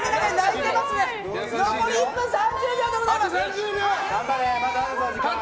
残り１分３０秒でございます！